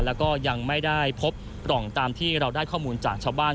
แล้วก็ยังไม่ได้พบปล่องตามที่เราได้ข้อมูลจากชาวบ้าน